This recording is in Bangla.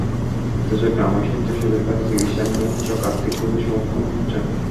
অথচ গ্রামে স্বেচ্ছাসেবীর কাছে চিকিৎসা নিয়ে কৃষক আর্থিক ক্ষতির সম্মুখীন হচ্ছেন।